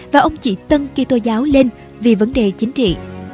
và ông chỉ tân kỹ tố giáo lên vì vấn đề chính trị